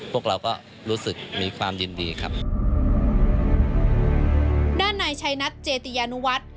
พวกเราก็รู้สึกมีความยินดีครับด้านนายชัยนัทเจติยานุวัฒน์